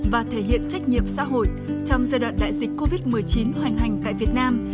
và thể hiện trách nhiệm xã hội trong giai đoạn đại dịch covid một mươi chín hoành hành tại việt nam